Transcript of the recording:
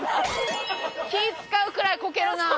気ぃ使うくらいこけるなあ。